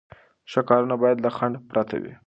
ښه کارونه باید له خنډ پرته وي.